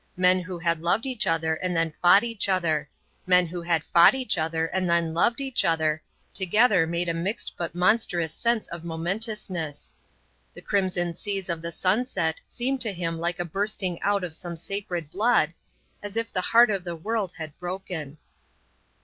Men who had loved each other and then fought each other; men who had fought each other and then loved each other, together made a mixed but monstrous sense of momentousness. The crimson seas of the sunset seemed to him like a bursting out of some sacred blood, as if the heart of the world had broken.